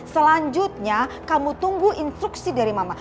selanjutnya kamu tunggu instruksi dari mama